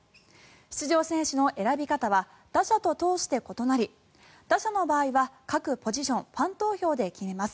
出場選手の選び方は打者と投手で異なり打者の場合は各ポジションファン投票で決めます。